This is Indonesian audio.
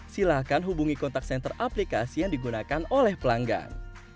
silahkan hubungi kontak senter aplikasi yang digunakan oleh pelanggan